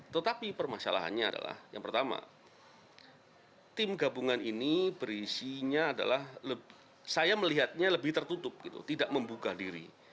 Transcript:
tetapi permasalahannya adalah yang pertama tim gabungan ini berisinya adalah saya melihatnya lebih tertutup gitu tidak membuka diri